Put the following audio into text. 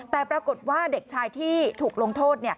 แต่ปรากฏว่าเด็กชายที่ถูกลงโทษ